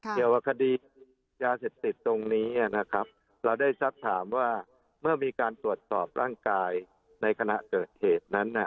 เกี่ยวกับคดียาเสพติดตรงนี้นะครับเราได้สักถามว่าเมื่อมีการตรวจสอบร่างกายในขณะเกิดเหตุนั้น